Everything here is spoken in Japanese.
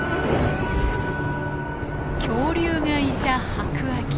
恐竜がいた白亜紀。